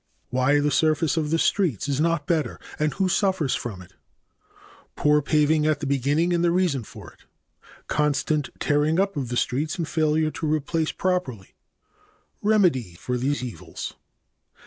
c. Why the surface of the streets is not better, and who suffers from it. (1) Poor paving at the beginning, and the reason for it. (2) Constant tearing up of the streets and failure to replace properly. (3) Remedy for these evils.